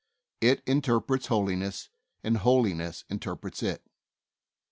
It interprets holiness, and holiness interprets it.